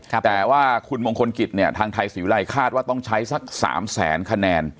แต่ว่าคุณมงคลกิจเนี่ยทางไทยศิวิรัยคาดว่าต้องใช้สักสามแสนคะแนน